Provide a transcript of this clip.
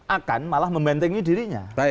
akan malah membentengi dirinya